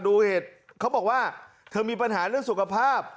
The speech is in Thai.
เหตุเขาบอกว่าเธอมีปัญหาเรื่องสุขภาพ